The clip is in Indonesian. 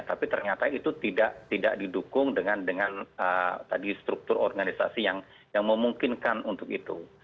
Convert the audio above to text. tapi ternyata itu tidak didukung dengan tadi struktur organisasi yang memungkinkan untuk itu